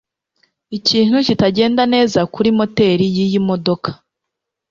Ikintu kitagenda neza kuri moteri yiyi modoka.